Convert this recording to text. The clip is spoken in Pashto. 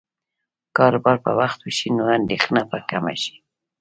که کار په وخت وشي، نو اندېښنه به کمه شي.